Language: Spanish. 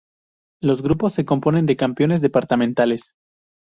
Los grupos se componen de campeones departamentales.